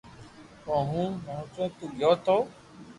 اج ھون دوڪون تو گيو تو